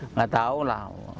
nggak tahu lah